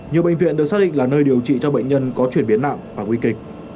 nhiều bệnh viện được xác định là nơi điều trị cho bệnh nhân có chuyển biến nặng và nguy kịch